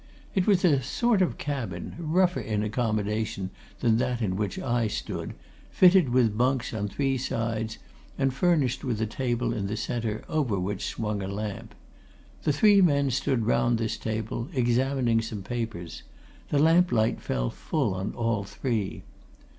It was a sort of cabin, rougher in accommodation than that in which I stood, fitted with bunks on three sides and furnished with a table in the center over which swung a lamp. The three men stood round this table, examining some papers the lamp light fell full on all three.